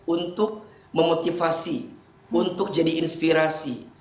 untuk memotivasi untuk jadi inspirasi